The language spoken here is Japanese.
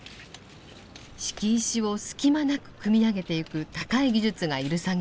敷石を隙間なく組み上げてゆく高い技術が要る作業。